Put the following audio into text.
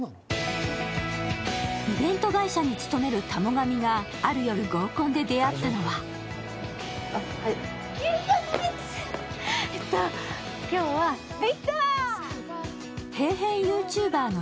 イベント会社に勤める田母神がある夜合コンで出会ったのは底辺ＹｏｕＴｕｂｅｒのゆり。